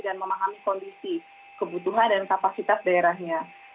dan memahami kondisi kebutuhan dan kapasitas daerahnya